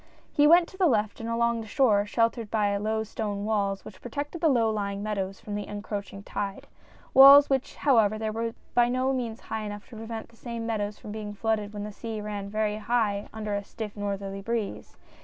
" He went to the left and along the shore, sheltered by the low stone walls which protected the low lying meadows from the encroaching tide walls which, however, were by no means high enough to prevent these same meadows from being flooded when the sea 'ran very high under a stiff northerly breeze.